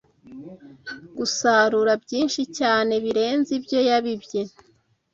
gusarura byinshi cyane birenze ibyo yabibye